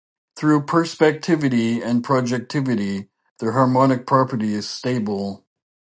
Through perspectivity and projectivity, the harmonic property is stable.